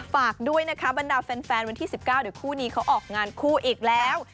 ฝากด้วยนะคะบรรดาแฟนวันที่๑๙เดี๋ยวคู่นี้เขาออกงานคู่อีกแล้ว